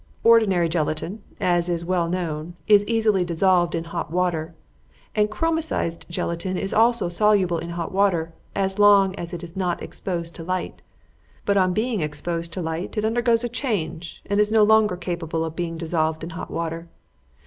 Ordinary gelatine, as is well known, is easily dissolved in hot water, and chromicized gelatine is also soluble in hot water as long as it is not exposed to light; but on being exposed to light, it undergoes a change and is no longer capable of being dissolved in hot water.